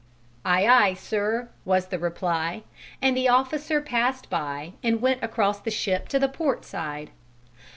"Aye, aye, sir," was the reply; and the officer passed by and went across the ship to the port side.